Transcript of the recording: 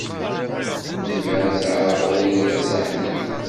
Tezmer ad teɛreḍ Wrida Tasaḥlit?